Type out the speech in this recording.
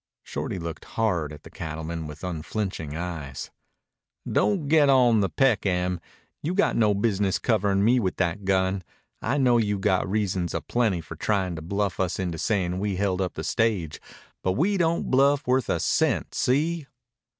Shorty looked hard at the cattleman with unflinching eyes. "Don't get on the peck, Em. You got no business coverin' me with that gun. I know you got reasons a plenty for tryin' to bluff us into sayin' we held up the stage. But we don't bluff worth a cent. See?"